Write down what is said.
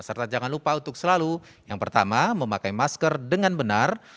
serta jangan lupa untuk selalu yang pertama memakai masker dengan benar